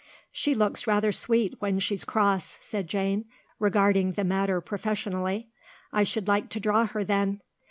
"She looks rather sweet when she's cross," said Jane, regarding the matter professionally. "I should like to draw her then.